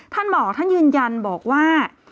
ท่านบอกท่านยืนยันบอกว่า